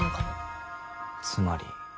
つまり。